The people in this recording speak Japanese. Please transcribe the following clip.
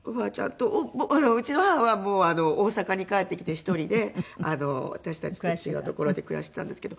うちの母はもう大阪に帰ってきて１人で私たちと違う所で暮らしていたんですけど。